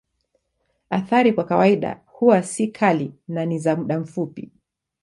Athari kwa kawaida huwa si kali na ni za muda mfupi.